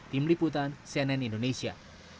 tim liputan cnn indonesia